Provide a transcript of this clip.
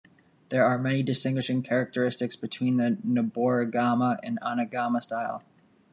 There are many distinguishing characteristics between the noborigama and anagama style.